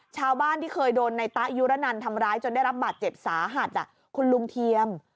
ชาวบ้านที่เคยโดนในตะยุรนันทำร้ายจนได้รับบาดเจ็บสาหัสคุณลุงเทียม